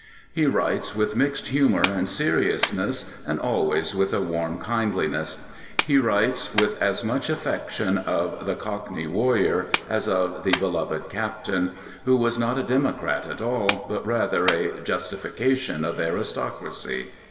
He writes with mixed humor and seriousness and always with a warm kindliness. He writes with as much affection of "The Cockney Warrior" as of "The Beloved Captain," who was not a democrat at all, but rather a " justification of aristocracy."